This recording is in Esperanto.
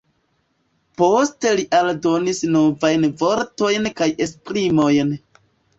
Poste li aldonis novajn vortojn kaj esprimojn.